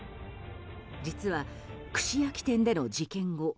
実は、串焼き店での事件後